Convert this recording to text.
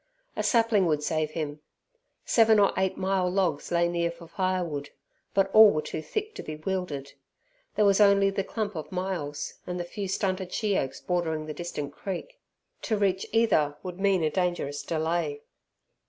A sapling would save him! Seven or eight myall logs lay near for firewood, but all were too thick to be wielded. There was only the clump of myalls, and the few stunted sheoaks bordering the distant creek. To reach either would mean a dangerous delay.